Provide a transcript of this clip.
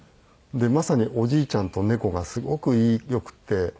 でまさにおじいちゃんと猫がすごくよくて。